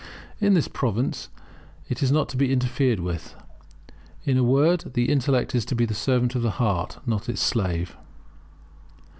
In this province it is not to be interfered with. In a word the intellect is to be the servant of the heart, not its slave.